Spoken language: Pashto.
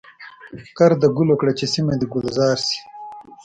کرد د ګلو کړه چي سیمه د ګلزار شي.